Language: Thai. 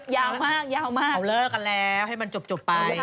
ยาวมากยาวมากเขาเลิกกันแล้วให้มันจบไป